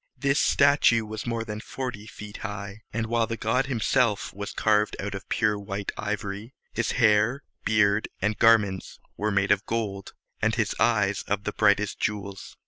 This statue was more than forty feet high; and, while the god himself was carved out of pure white ivory, his hair, beard, and garments were made of gold, and his eyes of the brightest jewels.